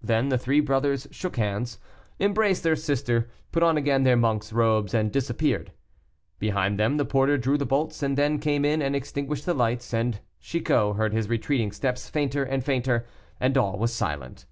Then the three brothers shook hands, embraced their sister, put on again their monk's robes, and disappeared. Behind them the porter drew the bolts, and then came in and extinguished the lights, and Chicot heard his retreating steps fainter and fainter, and all was silent.